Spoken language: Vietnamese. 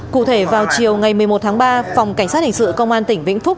cụ thể vào chiều ngày một mươi một tháng ba phòng cảnh sát hình sự công an tỉnh vĩnh phúc